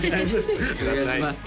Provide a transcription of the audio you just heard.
お願いします